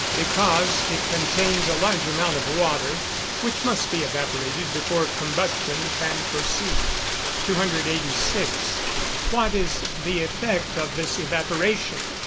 _ Because it contains a large amount of water, which must be evaporated before combustion can proceed. 286. _What is the effect of this evaporation?